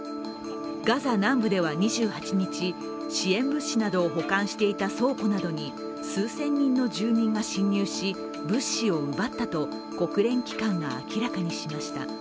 ガザ南部では２８日、支援物資などを保管していた倉庫などに数千人の住民が侵入し物資を奪ったと国連機関が明らかにしました。